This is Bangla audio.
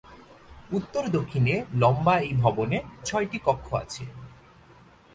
উত্তর দক্ষিণে লম্বা এই ভবনে ছয়টি কক্ষ আছে।